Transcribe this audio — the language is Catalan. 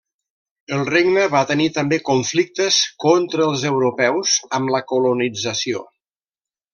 El regne va tenir també conflictes contra els europeus, amb la colonització.